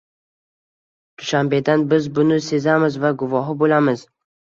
Dushanbedan biz buni sezamiz va guvohi bo'lamiz